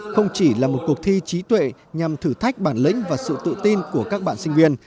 không chỉ là một cuộc thi trí tuệ nhằm thử thách bản lĩnh và sự tự tin của các bạn sinh viên